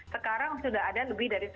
sekarang sudah ada lebih dari sembilan puluh